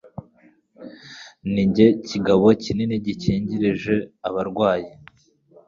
Ni jye kigabo kinini gikingirije abarwayi